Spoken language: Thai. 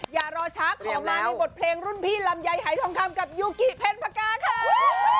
อย่ารอช้าขอมาในบทเพลงรุ่นพี่ลำไยหายทองคำกับยูกิเพ็ญพกาค่ะ